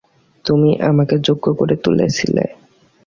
তুমি আমাকে যোগ্য করে তুলেছিলে।